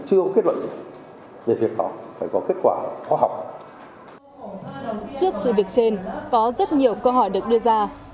trước sự việc trên có rất nhiều câu hỏi được đưa ra